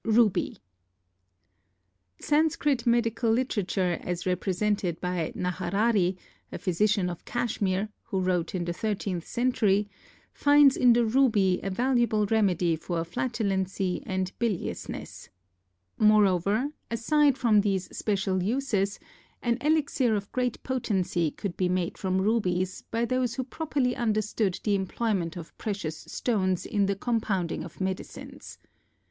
Ruby Sanskrit medical literature as represented by Naharari, a physician of Cashmere, who wrote in the thirteenth century, finds in the ruby a valuable remedy for flatulency and biliousness. Moreover, aside from these special uses, an elixir of great potency could be made from rubies by those who properly understood the employment of precious stones in the compounding of medicines.